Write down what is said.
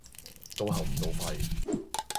到喉唔到肺